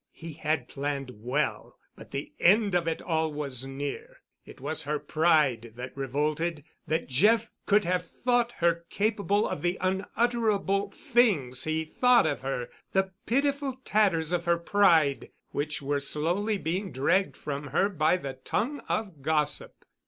He had planned well, but the end of it all was near. It was her pride that revolted—that Jeff could have thought her capable of the unutterable things he thought of her—the pitiful tatters of her pride which were slowly being dragged from her by the tongue of gossip.